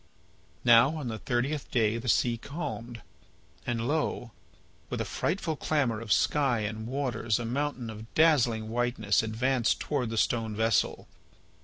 Now on the thirtieth day the sea calmed. And lo! with a frightful clamour of sky and waters a mountain of dazzling whiteness advanced towards the stone vessel.